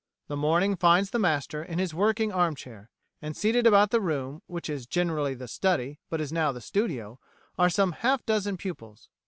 "The morning finds the master in his working arm chair; and seated about the room which is generally the study, but is now the studio, are some half dozen pupils.